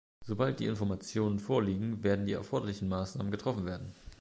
Sobald die Informationen vorliegen, werden die erforderlichen Maßnahmen getroffen werden.